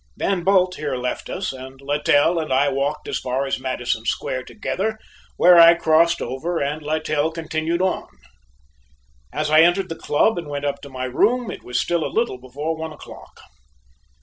Van Bult here left us, and Littell and I walked as far as Madison Square together, where I crossed over and Littell continued on. As I entered the club and went up to my room, it was still a little before one o'clock.